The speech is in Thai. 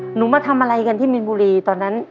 หนูมาทำอะไรกันที่มีนบุรีตอนนั้น